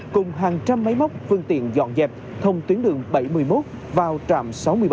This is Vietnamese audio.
cùng hàng trăm máy móc phương tiện dọn dẹp thông tuyến đường bảy mươi một vào trạm sáu mươi bảy